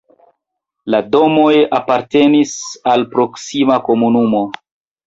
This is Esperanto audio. La domoj apartenis al proksima komunumo.